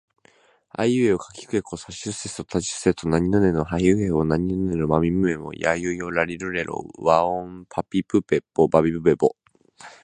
あいうえおかきくけこさしすせそたちつてとなにぬねのはひふへほまみむめもやゆよらりるれろわおんぱぴぷぺぽばびぶべぼ